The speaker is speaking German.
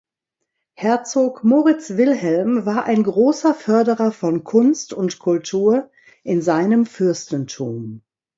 Herzog Moritz Wilhelm war ein großer Förderer von Kunst und Kultur in seinem Fürstentum.